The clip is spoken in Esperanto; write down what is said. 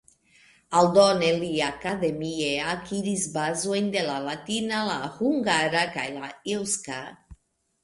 Aldone li akademie akiris bazojn de la latina, la hungara kaj la eŭska.